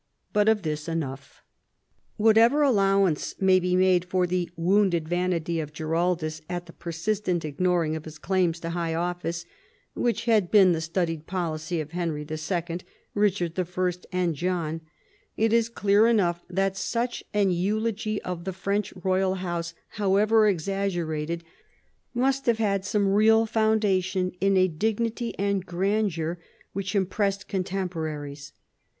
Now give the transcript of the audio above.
But of this enough." Whatever allowance may be made for the wounded vanity of Giraldus at the persistent ignoring of his claims to high office, which had been the studied policy of Henry II., Richard I., and John, it is clear enough that such an eulogy of the French royal house, however exaggerated, must have had some real foundation in a dignity and grandeur which impressed contemporaries.